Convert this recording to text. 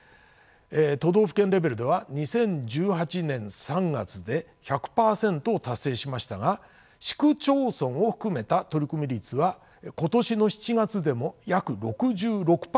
都道府県レベルでは２０１８年３月で１００％を達成しましたが市区町村を含めた取り組み率は今年の７月でも約６６％にとどまっています。